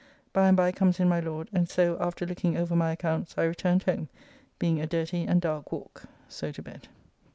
By and by comes in my Lord, and so, after looking over my accounts, I returned home, being a dirty and dark walk. So to bed.